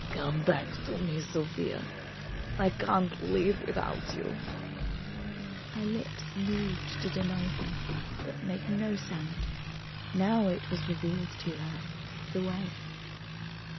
"Come back to me, Sofia! I can't live without you ..." Her lips moved to deny him, but made no sound. Now it was revealed to her, the way.